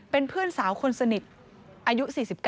เป็นเพื่อนสาวคนสนิทอายุ๔๙